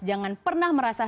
jangan pernah merasa